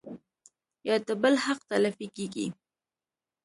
يا د بل حق تلفي کيږي